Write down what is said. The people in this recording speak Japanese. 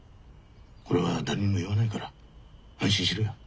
これは誰にも言わないから安心しろや。